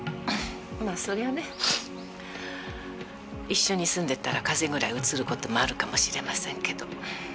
まあそりゃあね一緒に住んでたら風邪ぐらいうつる事もあるかもしれませんけど。